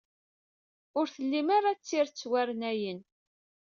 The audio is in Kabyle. Ur tellim ara d irettwarnayen.